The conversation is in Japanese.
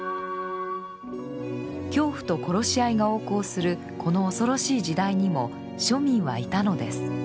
恐怖と殺し合いが横行するこの恐ろしい時代にも庶民はいたのです。